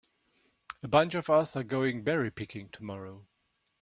A bunch of us are going berry picking tomorrow.